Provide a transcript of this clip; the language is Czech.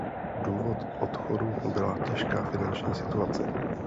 Důvod odchodu byla těžká finanční situace.